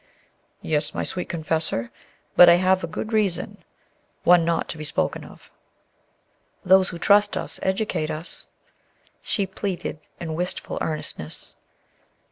"Yes, my sweet confessor; but I have a good reason, one not to be spoken of." "'Those who trust us educate us,'" she pleaded in wistful earnestness.